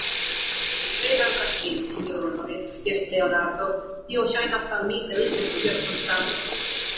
Mi tre dankas vin, sinjoro Norris, diris Leonardo; tio ŝajnas al mi feliĉa cirkonstanco.